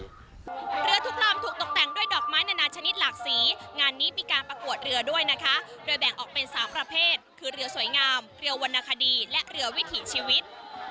เรือทุกลำถูกตกแต่งด้วยดอกไม้นานาชนิดหลากสีงานนี้มีการประกวดเรือด้วยนะคะโดยแบ่งออกเป็น๓ประเภทคือเรือสวยงามเรียววรรณคดีและเรือวิถีชีวิต